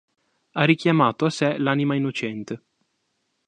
Ha richiamato a sé l'anima innocente.